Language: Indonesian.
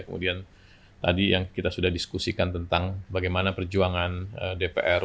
kemudian tadi yang kita sudah diskusikan tentang bagaimana perjuangan dpr